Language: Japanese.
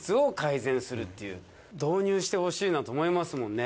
導入してほしいなと思いますもんね。